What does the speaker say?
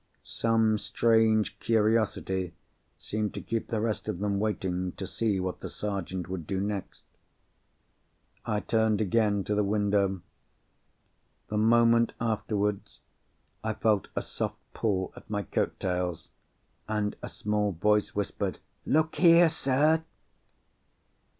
Some strange curiosity seemed to keep the rest of them waiting, to see what the Sergeant would do next. I turned again to the window. The moment afterwards, I felt a soft pull at my coat tails, and a small voice whispered, "Look here, sir!"